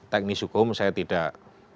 teknis hukum saya tidak